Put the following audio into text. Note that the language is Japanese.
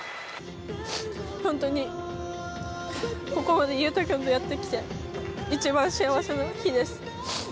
本当にここまで勇大君とやってきて、一番幸せな日です。